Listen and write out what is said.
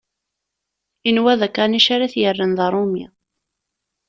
Yenwa d akanic ara t-yerren d aṛumi.